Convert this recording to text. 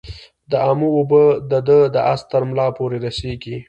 د امو اوبه د ده د آس ترملا پوري رسیږي.